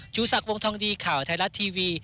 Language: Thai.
ชูศักดิ์วงทองดีข่าวไทยรัฐทีวี